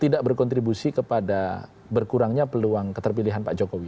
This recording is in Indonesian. tidak berkontribusi kepada berkurangnya peluang keterpilihan pak jokowi